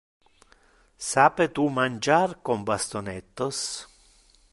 Sape tu mangiar con bastonettos?